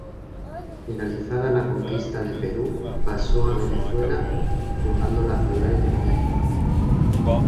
Finalizada la conquista del Perú pasó a Venezuela, fundando la ciudad de Trujillo.